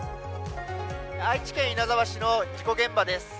愛知県稲沢市の事故現場です。